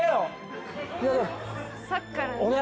さっきから何？